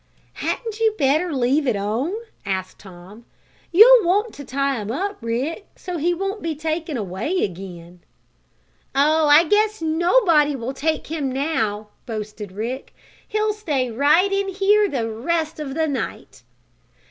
"Hadn't you better leave it on?" asked Tom. "You'll want to tie him up, Rick, so he won't be taken away again." "Oh, I guess nobody will take him now!" boasted Rick. "He'll stay right in here the rest of the night."